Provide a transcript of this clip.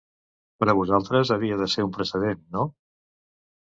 Per a vosaltres havia de ser un precedent, no?